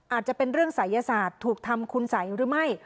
อาจจะเป็นเรื่องศัยศาสตร์ถูกทำคุณสัยหรือไม่